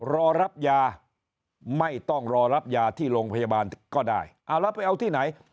รอรับยาไม่ต้องรอรับยาที่โรงพยาบาลก็ได้เอาแล้วไปเอาที่ไหน